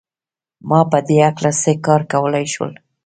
ما په دې هکله څه کار کولای شول